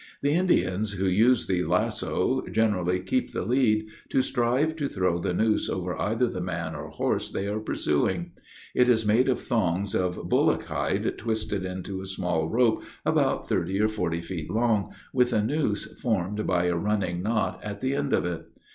The Indians who use the lasso, generally keep the lead, to strive to throw the noose over either the man or horse they are pursuing. It is made of thongs of bullock hide twisted into a small rope about thirty or forty feet long, with a noose formed by a running knot at the end of it.